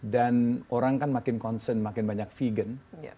dan orang kan makin concern makin banyak vegan